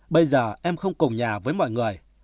bây giờ em không cùng nhà với mọi người